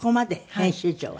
編集長は。